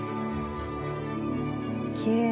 きれい。